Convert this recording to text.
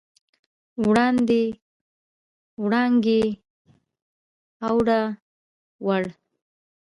وړاندې، وړانګې، اووړه، وړ